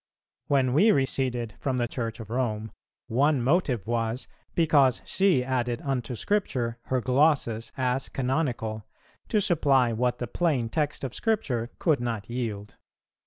When we receded from the Church of Rome, one motive was, because she added unto Scripture her glosses as Canonical, to supply what the plain text of Scripture could not yield.